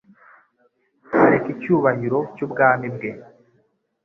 areka icyubahiro cy'ubwami bwe.